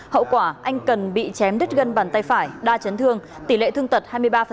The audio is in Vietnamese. hậu quả anh cần bị chém đứt gân bàn tay phải đa chấn thương tỷ lệ thương tật hai mươi ba